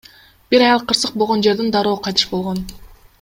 Бир аял кырсык болгон жерден дароо кайтыш болгон.